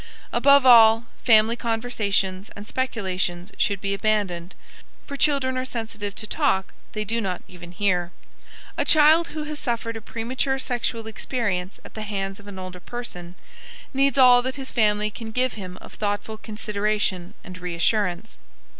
Above all, family conversations and speculations should be abandoned, for children are sensitive to talk they do not even hear. A child who has suffered a premature sexual experience at the hands of an older person needs all that his family can give him of thoughtful consideration and reassurance.